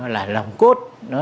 là lòng cốt